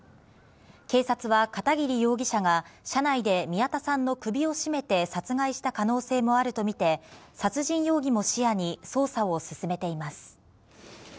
警察は片桐容疑者が車内で宮田さんの首を絞めて殺害した可能性もあるとみて、殺人容疑も視野に捜査を進めています。